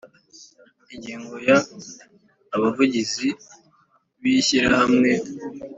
Ingingo ya abavugizi b ishyirahamwe